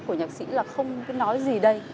của nhạc sĩ là không nói gì đây